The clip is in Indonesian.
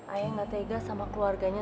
ayah gak tegas sama keluarganya